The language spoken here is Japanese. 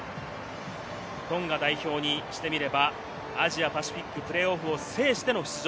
トンガ代表にしてみればアジアパシフィックプレーオフを制しての出場。